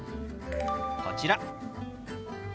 こちら。